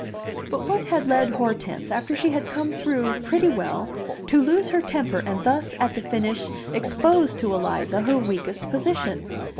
But what had led Hortense, after she had come through pretty well, to lose her temper and thus, at the finish, expose to Eliza her weakest position?